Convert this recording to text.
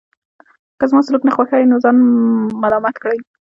که زما سلوک نه خوښوئ نو خپل ځان ملامت کړئ.